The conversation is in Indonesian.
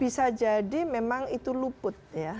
bisa jadi memang itu luput ya